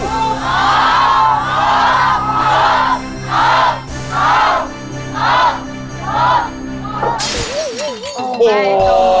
จง